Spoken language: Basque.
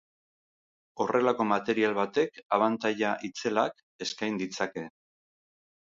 Horrelako material batek abantaila itzelak eskain ditzake.